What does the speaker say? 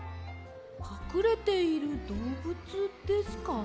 かくれているどうぶつですか？